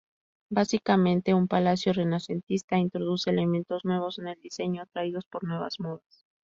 Básicamente un palacio renacentista, introduce elementos nuevos en el diseño traídos por nuevas modas.